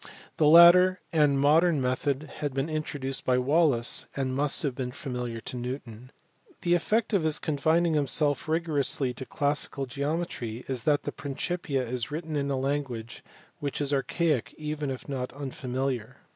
The latter and modern method had been introduced by Wallis, and must have been familiar to Newton. The effect of his confining himself rigorously to classical geometry is that the Principia is written in a language which is archaic, even if not unfamiliar.